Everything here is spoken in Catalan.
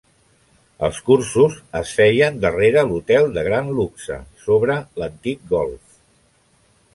Els cursos es feien darrere l'Hotel de Gran Luxe, sobre l'antic Golf.